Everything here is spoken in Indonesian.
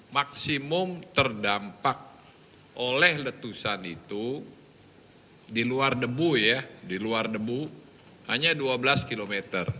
maksimum terdampak oleh letusan itu di luar debu ya di luar debu hanya dua belas km